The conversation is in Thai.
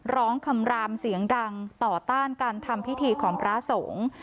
คำรามเสียงดังต่อต้านการทำพิธีของพระสงฆ์